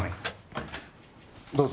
どうぞ。